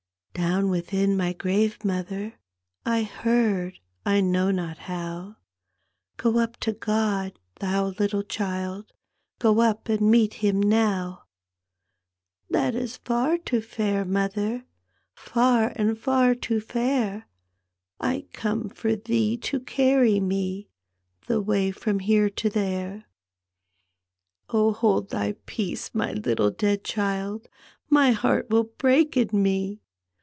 " Down within my grave, mother, I heard, I know not how, "Go up to God, thou little child. Go up and meet him now/" p,gt,, erihyGOOglC The Child Alone That is far to fare, mother. Far and far to fare! I come for thee to carry me The toay from here to there. " Oh, hold thy peace, my litde dead child. My heart will break in me!